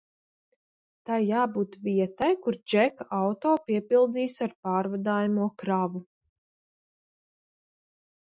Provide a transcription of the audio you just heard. Tai jābūt vietai, kur Džeka auto piepildīs ar pārvadājamo kravu.